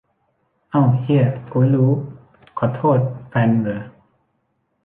เอ้าเหี้ย กูไม่รู้ ขอโทษ แฟนมึงเหรอ